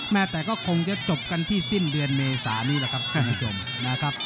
แต่ก็คงจะจบกันที่สิ้นเดือนเมษานี้แหละครับท่านผู้ชมนะครับ